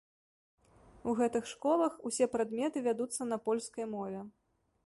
У гэтых школах усе прадметы вядуцца на польскай мове.